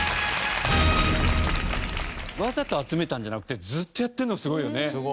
わざと集めたんじゃなくてずっとやってるのがすごいよね。